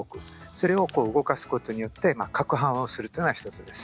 それを動かすことによってかくはんするというのが一つです。